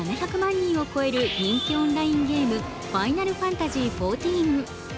人を超える人気オンラインゲーム、「ファイナルファンタジーＸＩＶ」。